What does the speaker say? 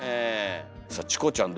さあチコちゃん